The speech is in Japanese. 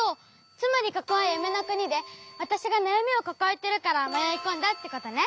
つまりここはゆめのくにでわたしがなやみをかかえてるからまよいこんだってことね？